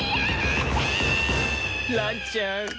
ランちゃん。